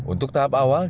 untuk tahap awal